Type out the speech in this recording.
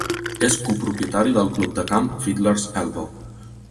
És copropietari del club de camp Fiddler's Elbow.